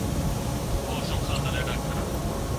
د هغه نوم نېل ګرېفټس دی.